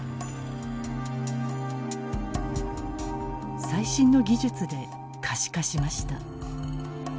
最新の技術で可視化しました。